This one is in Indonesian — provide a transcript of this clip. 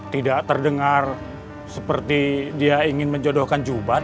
tidak terdengar seperti dia ingin menjodohkan jubah